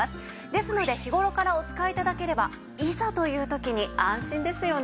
ですので日頃からお使い頂ければいざという時に安心ですよね。